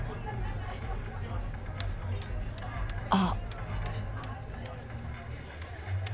あ。